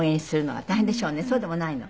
そうでもないの？